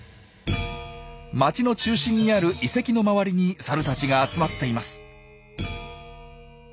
街の中心にある遺跡の周りにサルたちが集まっています。